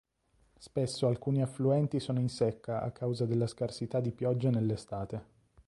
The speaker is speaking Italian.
Spesso alcuni affluenti sono in secca a causa della scarsità di piogge nell'estate.